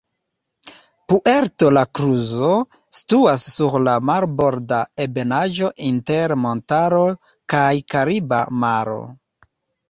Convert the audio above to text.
Puerto la Cruz situas sur la marborda ebenaĵo inter montaro kaj Kariba Maro.